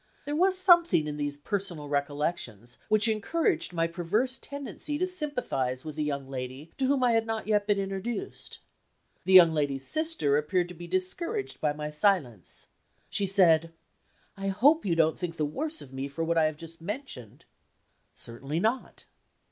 There was something in these personal recollections, which encouraged my perverse tendency to sympathize with a young lady to whom I had not yet been introduced. The young lady's sister appeared to be discouraged by my silence. She said: "I hope you don't think the worse of me for what I have just mentioned?" "Certainly not."